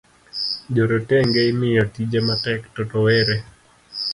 Joretenge imiyo tije matek to rowere